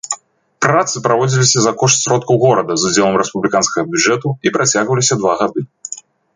Працы праводзіліся за кошт сродкаў горада з удзелам рэспубліканскага бюджэту і працягваліся два гады.